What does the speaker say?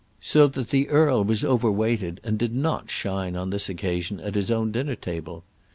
So that the earl was overweighted and did not shine on this occasion at his own dinner table.